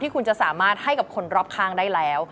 คุณจะสามารถให้กับคนรอบข้างได้แล้ว